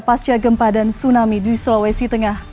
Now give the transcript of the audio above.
pasca gempa dan tsunami di sulawesi tengah